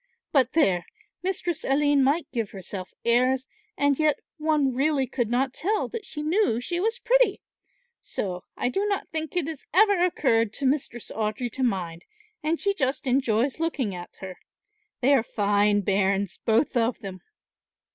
But there, Mistress Aline might give herself airs, and yet one really could not tell that she knew she was pretty; so I do not think it has ever occurred to Mistress Audry to mind and she just enjoys looking at her. They are fine bairns both of them."